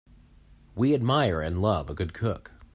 We admire and love a good cook.